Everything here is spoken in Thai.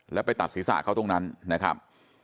แล้วไปตัดศีรษะเขาตรงนั้นนะครับ